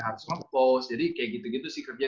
harus ngepost jadi kayak gitu gitu sih kerja